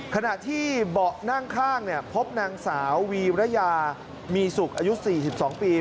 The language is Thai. ขณะที่เบาะนั่งข้างพบนางสาววีรยามีสุขอายุ๔๒ปี